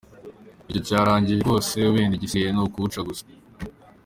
Icyo cyararangiye rwose, wenda igisigaye ni ukuwuca gusa.